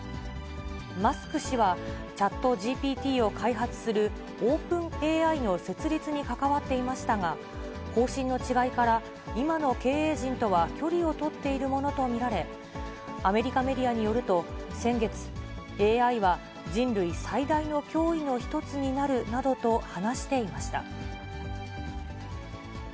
マスク氏は、チャットＧＰＴを開発するオープンＡＩの設立に関わっていましたが、方針の違いから今の経営陣とは距離を取っているものと見られ、アメリカメディアによると、先月、ＡＩは人類最大の脅威の一つになるなどと話していました。